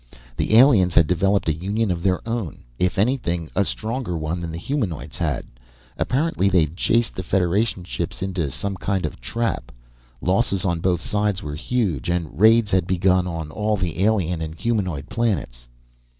The aliens had developed a union of their own if anything, a stronger one than the humanoids had. Apparently they'd chased the Federation ships into some kind of a trap. Losses on both sides were huge. And raids had begun on all the alien and humanoid planets.